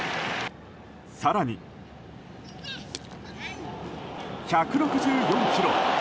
更に、１６４キロ！